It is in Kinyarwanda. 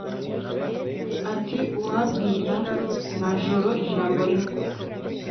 Ati: "Uwabwira Majoro ijambo rimwe